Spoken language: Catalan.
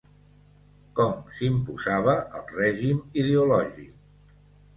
Com s'imposava el règim ideològic.